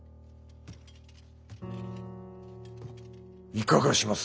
いかがします？